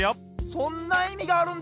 そんないみがあるんだ！